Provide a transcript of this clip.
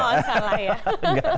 oh salah ya